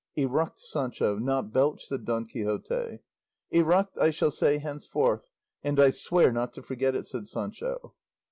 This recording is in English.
"Eruct, Sancho, not belch," said Don Quixote. "Eruct, I shall say henceforth, and I swear not to forget it," said Sancho.